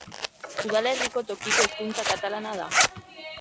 Udalerriko tokiko hizkuntza katalana da.